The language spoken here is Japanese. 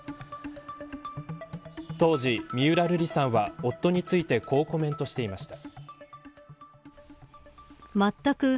当時、三浦瑠璃さんは夫についてこうコメントしていました。